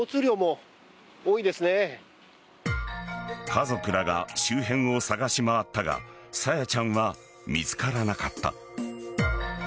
家族らが周辺を捜し回ったが朝芽ちゃんは見つからなかった。